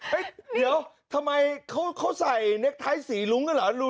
เฮ่ยเดี๋ยวเขาใส่เน็คไทซ์สีลุ้งกันเหรอ